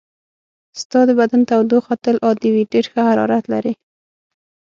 ستا د بدن تودوخه تل عادي وي، ډېر ښه حرارت لرې.